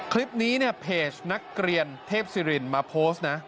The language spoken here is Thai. คลิปนี้เนี่ยเพจนักเรียนเทพศิรินมาโพสต์นะ